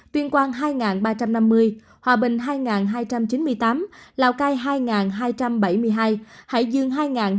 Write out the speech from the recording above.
tuyên quang hai ba trăm năm mươi hòa bình hai hai trăm chín mươi tám lào cai hai hai trăm bảy mươi hai hải dương hai nghìn hai mươi